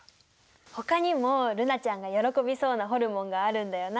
ほかにも瑠菜ちゃんが喜びそうなホルモンがあるんだよな。